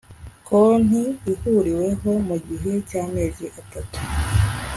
konti ihuriweho mu gihe cy amezi atatu